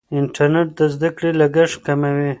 انټرنیټ د زده کړې لګښت کموي.